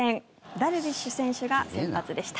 ダルビッシュ選手が先発でした。